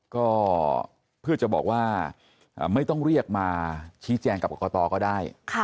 ก็เพื่อจะบอกว่าไม่ต้องเรียกมาชี้แจงกับกรกตก็ได้